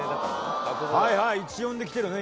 はいはい１４できてるね